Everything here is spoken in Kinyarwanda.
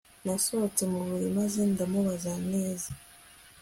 Nasohotse mu buriri maze ndambura neza